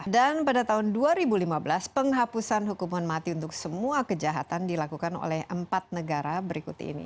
dan pada tahun dua ribu lima belas penghapusan hukuman mati untuk semua kejahatan dilakukan oleh empat negara berikut ini